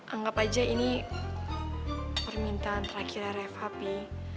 anggap aja ini permintaan terakhirnya reva pi